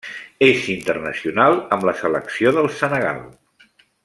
És internacional amb la selecció del Senegal.